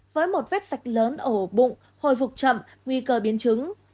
với một vết sạch lớn ổ bụng hồi phục chậm nguy cơ biến chứng